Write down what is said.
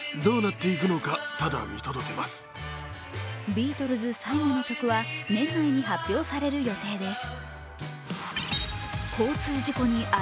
ビートルズ最後の曲は年内に発表される予定です。